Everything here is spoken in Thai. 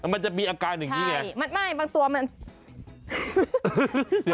มันจะมีอาการอย่างนี้ไง